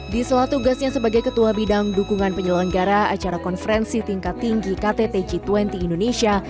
di sela tugasnya sebagai ketua bidang dukungan penyelenggara acara konferensi tingkat tinggi ktt g dua puluh indonesia